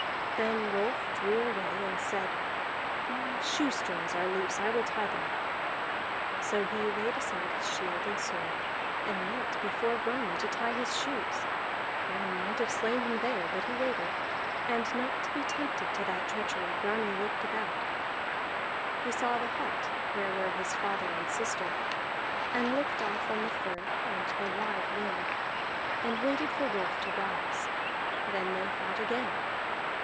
Then Rolf drew away, and said: "My shoestrings are loose, I will tie them." So he laid aside his shield and sword, and knelt before Grani to tie his shoes; Grani might have slain him there, but he waited. And not to be tempted to that treachery, Grani looked about; he saw the hut where were his father and sister, and looked off on the firth and the wide land, and waited for Rolf to rise. Then they fought again.